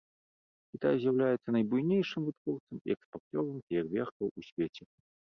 Кітай з'яўляецца найбуйнейшым вытворцам і экспарцёрам феерверкаў у свеце.